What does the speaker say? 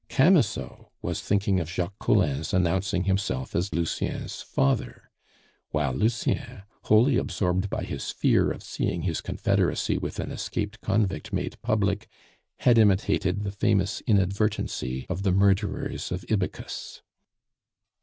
Camusot was thinking of Jacques Collin's announcing himself as Lucien's father; while Lucien, wholly absorbed by his fear of seeing his confederacy with an escaped convict made public, had imitated the famous inadvertency of the murderers of Ibycus.